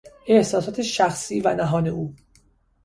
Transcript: احساسات شخصی و نهان او